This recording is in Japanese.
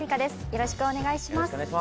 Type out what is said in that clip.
よろしくお願いします。